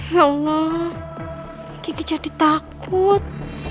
ya allah kiki jadi takut